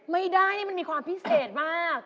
ไม่ได้นี่มันมีความพิเศษมาก